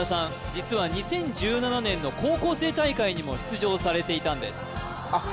実は２０１７年の高校生大会にも出場されていたんですあっ